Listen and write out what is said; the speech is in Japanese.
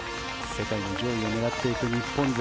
世界の上位を狙っていく日本勢。